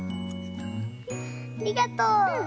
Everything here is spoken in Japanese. ありがとう。